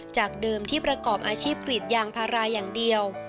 จากเดิมที่ประกอบอาชีพกรีดยางพาราอย่างเดียว